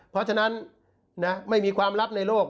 เพราะฉะนั้นไม่มีความลับในโลก